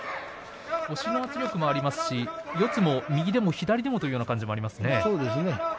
押しの圧力もありますし四つも右でも左でもという感じですね。